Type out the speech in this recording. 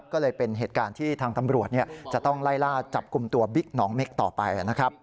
ก็เลยเป็นเหตุการณ์ที่ทางตำรวจจะต้องไล่ล่าจับกลุ่มตัวบิ๊กหนองเม็กต่อไปนะครับ